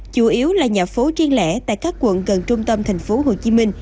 chủ yếu là nhà phố truyền lẽ tại các quận gần trung tâm thành phố hồ chí minh